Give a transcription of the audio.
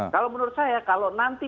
kalau menurut saya kalau nanti